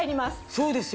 そうですよ。